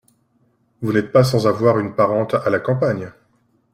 Vous n’êtes pas sans avoir une parente à la campagne ?